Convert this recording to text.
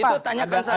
itu tanyakan saja